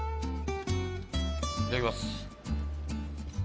いただきます。